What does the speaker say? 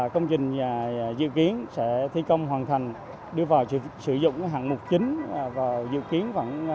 công trình dự kiến sẽ thi công hoàn thành đưa vào sử dụng hạng mục chính và dự kiến